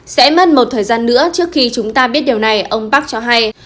sẽ mất một thời gian nữa trước khi chúng ta biết điều này ông bắc cho hay